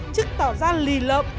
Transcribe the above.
chức tỏ ra lì lợm